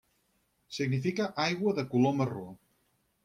Significa aigua de color marró.